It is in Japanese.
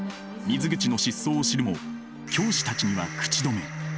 水口の失踪を知るも教師たちには口止め。